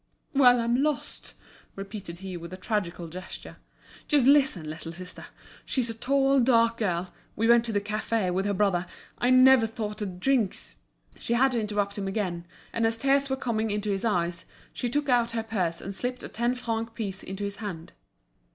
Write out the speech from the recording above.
"Well, I'm lost," repeated he, with a tragical gesture. "Just listen, little sister; she's a tall, dark girl; we went to the café with her brother. I never thought the drinks—" She had to interrupt him again, and as tears were coming into his eyes, she took out her purse and slipped a ten franc piece into his hand.